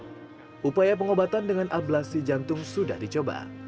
upaya pengobatan dengan ablasi jantung sudah dicoba